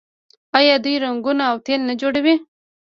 آیا دوی رنګونه او تیل نه جوړوي؟